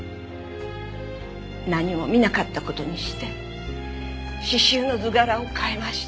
何も見なかった事にして刺繍の図柄を変えました。